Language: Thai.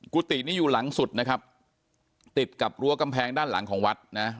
กุฏินี้อยู่หลังสุดนะครับติดกับรั้วกำแพงด้านหลังของวัดนะ